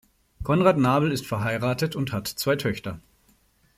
Konrad Nabel ist verheiratet und hat zwei Töchter.